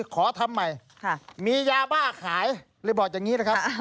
ขอทำใหม่มียาบ้าขายเลยบอกอย่างนี้นะครับ